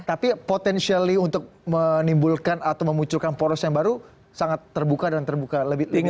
tapi potensial untuk menimbulkan atau memunculkan poros yang baru sangat terbuka dan terbuka lebih tinggi